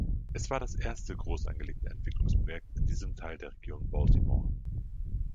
Es war das erste groß angelegte Entwicklungsprojekt in diesem Teil der Region Baltimore.